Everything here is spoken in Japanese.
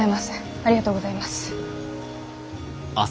ありがとうございます。